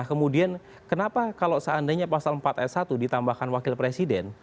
kemudian kenapa kalau seandainya pasal empat s satu ditambahkan wakil presiden